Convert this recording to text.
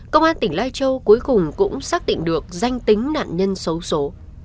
công an tỉnh lai châu cuối cùng cũng xác định được danh tính nạn nhân xấu xố